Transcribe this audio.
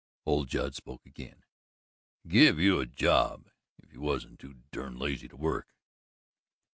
Old Judd spoke again. "To give you a job, if you wasn't too durned lazy to work."